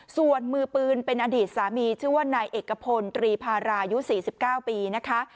ส่วนมือปืนเป็นอดีตสามีชื่อว่านายเอกพลตรีพารายุ๔๙ปีนะคะ